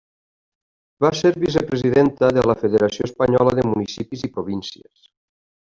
Va ser vicepresidenta de la Federació Espanyola de Municipis i Províncies.